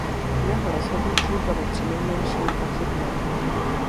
Jeho rozhodnutí bylo přinejmenším pochybné.